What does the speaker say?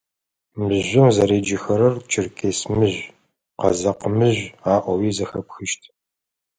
Мыжъом зэреджэхэрэр «Черкес мыжъу», «Къэзэкъ мыжъу» аӏоуи зэхэпхыщт.